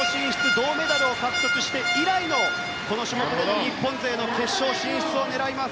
銅メダルを獲得して以来のこの種目での日本勢決勝進出を狙います。